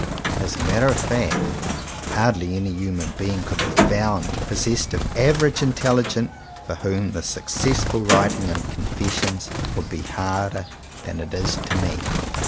As a matter of fact, hardly any human being could be found, possessed of average intelligence, for whom the successful writ ing of confessions would be harder than it is to me.